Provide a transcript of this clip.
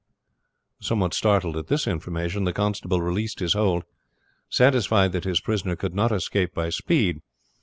Somewhat startled at this information the constable released his hold, satisfied that his prisoner could not escape by speed.